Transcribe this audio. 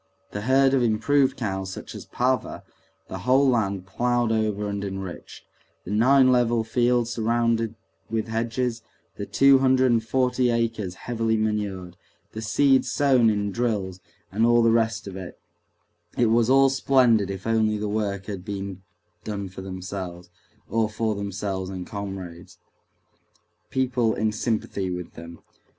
The herd of improved cows such as Pava, the whole land ploughed over and enriched, the nine level fields surrounded with hedges, the two hundred and forty acres heavily manured, the seed sown in drills, and all the rest of it—it was all splendid if only the work had been done for themselves, or for themselves and comrades—people in sympathy with them.